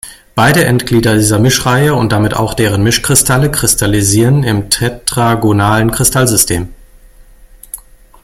Beide Endglieder dieser Mischreihe und damit auch deren Mischkristalle kristallisieren im tetragonalen Kristallsystem.